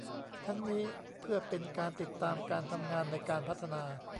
ทั้งนี้เพื่อเป็นการติดตามการทำงานในการพัฒนา